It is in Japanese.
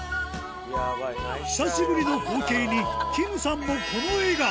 久しぶりの光景にキムさんもこの笑顔